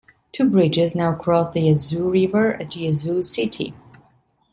Two bridges now cross the Yazoo River at Yazoo City.